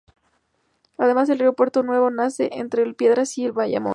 Además, el río Puerto Nuevo nace entre el Piedras y el Bayamón.